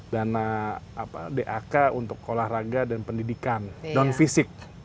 dana dak untuk olahraga dan pendidikan non fisik